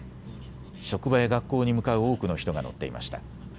職場や学校に向かう多くの人が乗っていました。